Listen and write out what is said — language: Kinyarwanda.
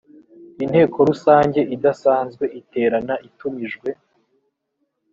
inteko rusange idasanzwe iterana itumijwe